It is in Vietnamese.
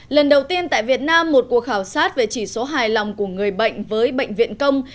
lần đầu tiên tại việt nam một cuộc khảo sát về chỉ số hài lòng của người bệnh với bệnh viện công